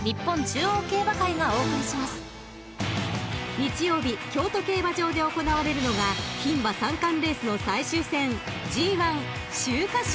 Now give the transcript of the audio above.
［日曜日京都競馬場で行われるのが牡馬三冠レースの最終戦ＧⅠ秋華賞］